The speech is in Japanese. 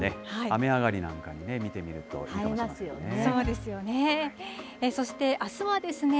雨上がりなんかに見てみるといい映えますよね。